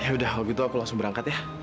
yaudah kalau gitu aku langsung berangkat ya